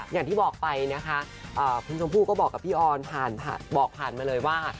อย่างที่บอกไปนะคะคุณชมพู่ก็บอกกับพี่ออนผ่านบอกผ่านมาเลยว่า